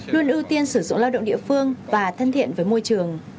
luôn ưu tiên sử dụng lao động địa phương và thân thiện với môi trường